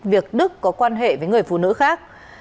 việc đức có quan hệ với người phụ nữ khác